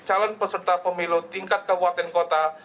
calon peserta pemilu tingkat kabupaten kota